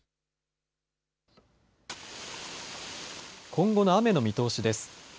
今後の雨の見通しです。